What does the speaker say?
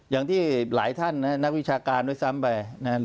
อย่างที่หลายท่านนะครับนักวิชาการด้วยซ้ำไปนะครับ